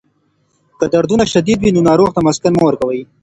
که دردونه شدید وي، نو ناروغ ته مسکن مه ورکوئ.